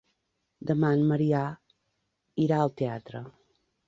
Demà en Maria irà al teatre.